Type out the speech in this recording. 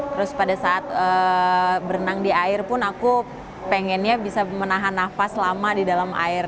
terus pada saat berenang di air pun aku pengennya bisa menahan nafas lama di dalam air